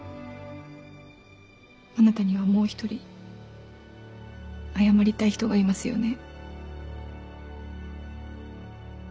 あなたにはもう一人謝りたい人がいますよね？